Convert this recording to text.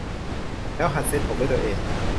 แล้วหัดเซตผมด้วยตัวเอง